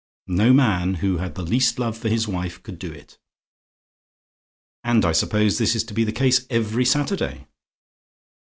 No man who had the least love for his wife could do it. "And I suppose this is to be the case every Saturday?